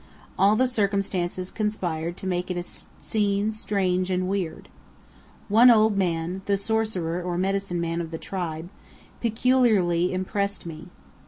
All the circumstances conspired to make it a scene strange and weird. One old man, the sorcerer or medicine man of the tribe, peculiarly impressed me.